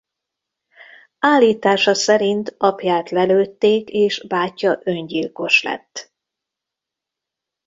Állítása szerint apját lelőtték és bátyja öngyilkos lett.